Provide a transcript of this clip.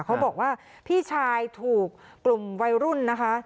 เขาบอกว่าพี่ชายถูกกลุ่มวัยรุ่นนะคะ